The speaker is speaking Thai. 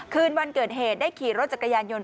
คืนวันเกิดเหตุได้ขี่รถจักรยานยนต